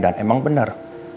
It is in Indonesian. dan emang benar